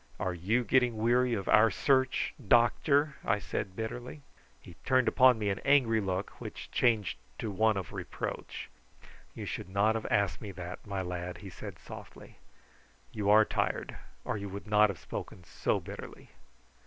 "Are you getting weary of our search, doctor?" I said bitterly. He turned upon me an angry look, which changed to one of reproach. "You should not have asked me that, my lad," he said softly. "You are tired or you would not have spoken so bitterly.